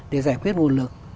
để giải quyết nguồn lực